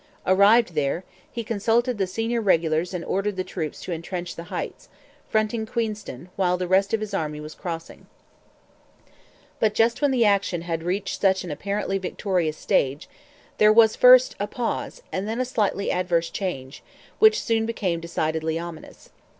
Arrived there, he consulted the senior regulars and ordered the troops to entrench the Heights, fronting Queenston, while the rest of his army was crossing. But, just when the action had reached such an apparently victorious stage, there was, first, a pause, and then a slightly adverse change, which soon became decidedly ominous.